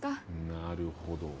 なるほど。